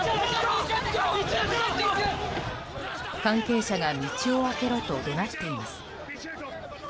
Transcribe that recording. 関係者が道を開けろと怒鳴っています。